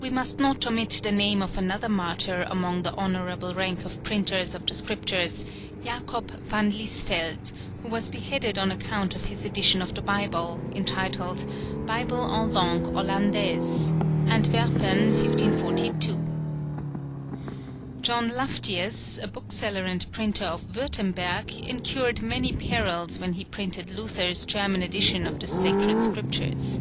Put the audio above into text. We must not omit the name of another martyr amongst the honourable rank of printers of the Scriptures, Jacob van Liesvelt, who was beheaded on account of his edition of the Bible, entitled Bible en langue hollandaise (Antwerpen, 1542, in fol.). John Lufftius, a bookseller and printer of Würtemburg, incurred many perils when he printed Luther's German edition of the Sacred Scriptures.